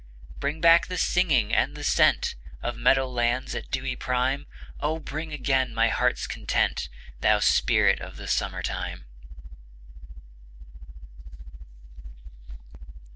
Bring back the singing; and the scent Of meadow lands at dewy prime; Oh, bring again my heart's content, Thou Spirit of the Summer time!